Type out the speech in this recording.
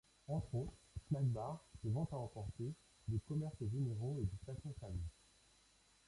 Entre autres, snack-bars, de ventes à emporter, de commerces généraux et de stations-services.